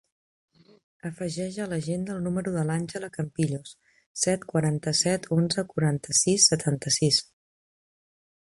Afegeix a l'agenda el número de l'Àngela Campillos: set, quaranta-set, onze, quaranta-sis, setanta-sis.